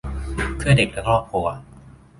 เพื่อเด็กและครอบครัว